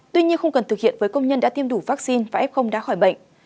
tuy nhiên không cần thực hiện với công nhân đã tiêm đủ vaccine và f đã khỏi bệnh